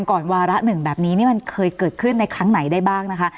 วาระหนึ่งแบบนี้นี่มันเคยเกิดขึ้นในครั้งไหนได้บ้างนะคะ